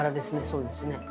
そうですね。